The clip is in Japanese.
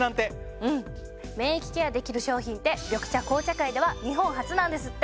うん免疫ケアできる商品って緑茶・紅茶界では日本初なんですって。